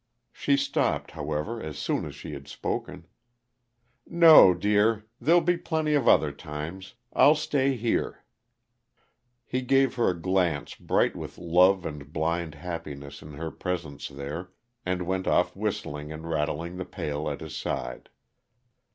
She stopped, however, as soon as she had spoken. "No, dear. There'll be plenty of other times. I'll stay here." He gave her a glance bright with love and blind happiness in her presence there, and went off whistling and rattling the pail at his side.